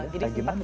jadi sempet kaget